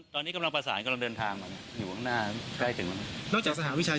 ตอนนี้กำลังประสานกำลังเดินทางมาอยู่ข้างหน้าใกล้ถึงแล้ว